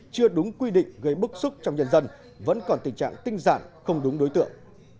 chưa đúng quy định gây bức xúc trong nhân dân vẫn còn tình trạng tinh giản không đúng đối tượng